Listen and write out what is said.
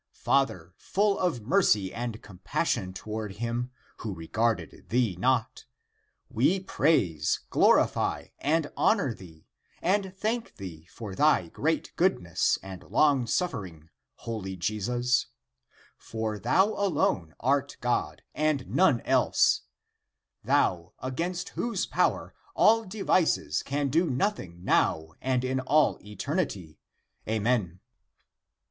Father full of mercy and compassion toward him, who regarded thee not, we praise, glorify, and honor thee and thank thee for thy great goodness and long suffering, holy Jesus, for thou alone art God and none else, thou, against whose power all devices can do nothing now and in all eternity! Amen